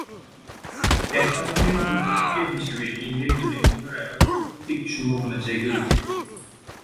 এর তাৎক্ষণিক প্রতিক্রিয়া হিসেবে ইংল্যান্ড দলে পুনরায় অন্তর্ভূক্তির সম্ভাবনা জেগে উঠে।